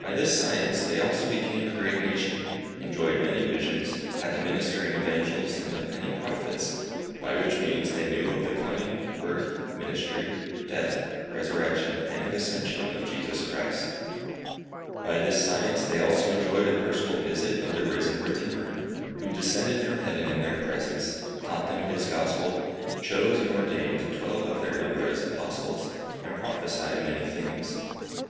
By this science they also became a great nation, enjoyed many visions, had the ministering of angels, and of many Prophets, by which means they knew of the coming, birth, ministry, death, resurrection, and ascension of Jesus Christ. By this science they also enjoyed a personal visit of the risen Redeemer, who descended from heaven in their presence, taught them his Gospel, chose and ordained twelve of their number as Apostles, and prophesied many things.